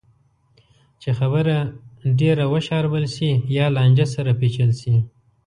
چې خبره ډېره وشاربل شي یا لانجه سره پېچل شي.